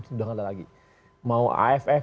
sudah nggak ada lagi mau aff